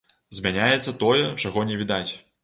Змяняецца тое, чаго не відаць.